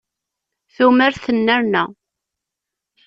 Tumert tennerna.